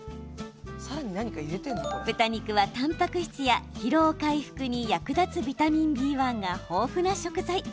豚肉は、たんぱく質や疲労回復に役立つビタミンＢ１が豊富な食材。